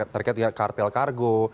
terkait kartel kargo